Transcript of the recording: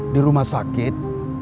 di rumah sakit